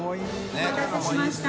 お待たせしました。